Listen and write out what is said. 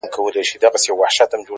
ملنگ خو دي وڅنگ ته پرېږده؛